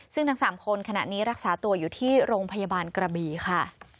ซึ่งทั้ง๓คนขณะนี้รักษาตัวอยู่ที่โรงพยาบาลกระบี่ค่ะ